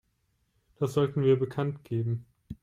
Das sollten wir bekanntgeben.